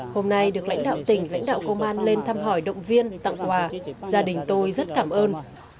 hôm nay được lãnh đạo tỉnh lãnh đạo công an lên thăm hỏi động viên tặng quà gia đình tôi rất cảm ơn